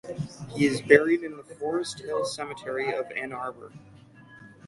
He is buried in the Forest Hill Cemetery of Ann Arbor.